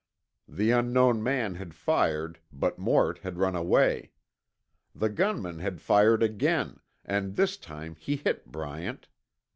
The unknown man had fired, but Mort had run away. The gunman had fired again, and this time he hit Bryant.